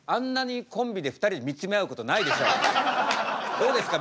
どうですか？